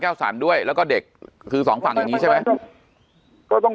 สรรด้วยแล้วก็เด็กคือสองฝั่งอย่างนี้ใช่ไหมก็ต้อง